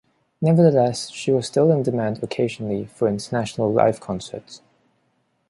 Nevertheless, she was still in demand occasionally for international live concerts.